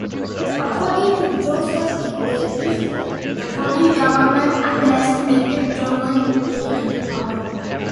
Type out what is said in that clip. According to Joseph E. Davies, the Polish government underestimated German military power.